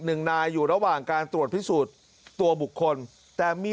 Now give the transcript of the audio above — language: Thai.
หนึ่งนายอยู่ระหว่างการตรวจพิสูจน์ตัวบุคคลแต่มี